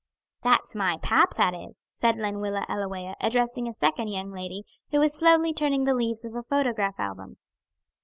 "That's my pap, that is," said Lenwilla Ellawea, addressing a second young lady, who was slowly turning the leaves of a photograph album.